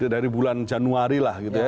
dari bulan januari lah gitu ya